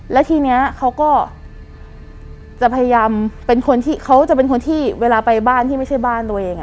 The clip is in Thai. แล้วทีนี้เขาก็จะพยายามเป็นคนที่เขาจะเป็นคนที่เวลาไปบ้านที่ไม่ใช่บ้านตัวเอง